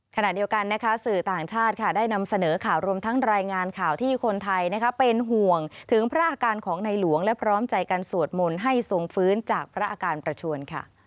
ขณะเดียวกันนะคะสื่อต่างชาติค่ะได้นำเสนอข่าวรวมทั้งรายงานข่าวที่คนไทยเป็นห่วงถึงพระอาการของในหลวงและพร้อมใจกันสวดมนต์ให้ทรงฟื้นจากพระอาการประชวน